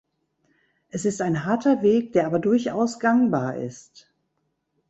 Es ist ein harter Weg, der aber durchaus gangbar ist.